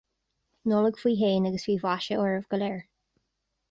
Nollaig faoi shéan agus faoi mhaise oraibh go léir